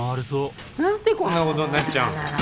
何でこんなことになっちゃうのあららら